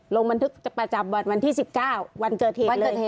ลงบันทึกประจำวันวันที่๑๙วันเกิดเหตุ